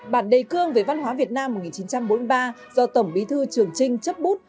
bản đề cương về văn hóa việt nam một nghìn chín trăm bốn mươi ba do tổng bí thư trường trinh chấp bút